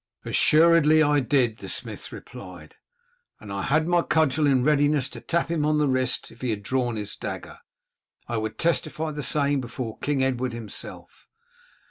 "Assuredly I did," the smith replied, "and had my cudgel in readiness to tap him on the wrist if he had drawn his dagger. I would testify the same before King Edward himself."